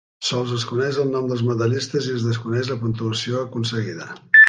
Sols es coneix el nom dels medallistes i es desconeix la puntuació aconseguida.